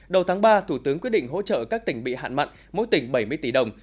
đầu tháng ba thủ tướng quyết định hỗ trợ các tỉnh bị hạn mặn mỗi tỉnh bảy mươi tỷ đồng